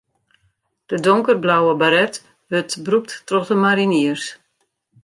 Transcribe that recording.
De donkerblauwe baret wurdt brûkt troch de mariniers.